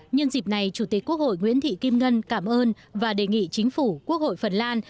nhân dịp này chủ tịch quốc hội nguyễn thị kim ngân cảm ơn và đề nghị chính phủ quốc hội phần lan